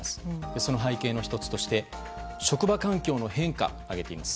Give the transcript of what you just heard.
その背景の１つとして職場環境の変化を挙げています。